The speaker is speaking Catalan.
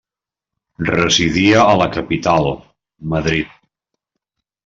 Residia a la capital, Madrid.